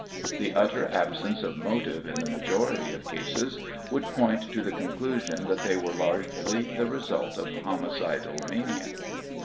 The utter absence of motive in the majority of cases would point to the conclusion that they were largely the result of homicidal mania.